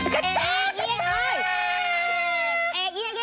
คาตาคาตา